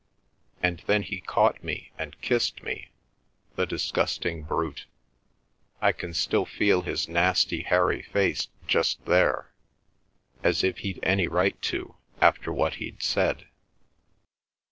And then he caught me and kissed me—the disgusting brute—I can still feel his nasty hairy face just there—as if he'd any right to, after what he'd said!"